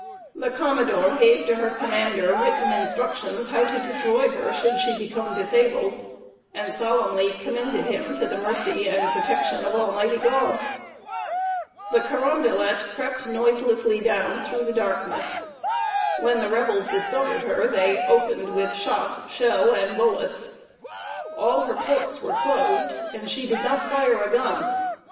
The commodore gave to her commander written instructions how to destroy her, should she become disabled; and solemnly commended him to the mercy and protection of Almighty God. The Carondelet crept noiselessly down through the darkness. When the Rebels discovered her, they opened with shot, shell, and bullets. All her ports were closed, and she did not fire a gun.